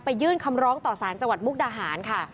ยื่นคำร้องต่อสารจังหวัดมุกดาหารค่ะ